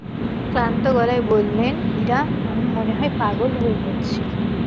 ক্লান্ত গলায় বললেন, ইরা, আমি মনে হয় পাগল হয়ে যাচ্ছি।